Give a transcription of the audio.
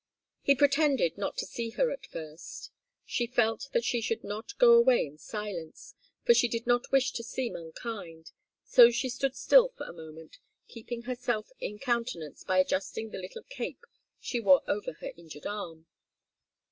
He pretended not to see her, at first. She felt that she should not go away in silence, for she did not wish to seem unkind, so she stood still for a moment, keeping herself in countenance by adjusting the little cape she wore over her injured arm.